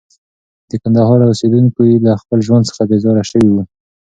د کندهار اوسېدونکي له خپل ژوند څخه بېزاره شوي وو.